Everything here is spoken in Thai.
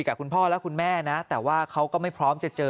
กับคุณพ่อและคุณแม่นะแต่ว่าเขาก็ไม่พร้อมจะเจอ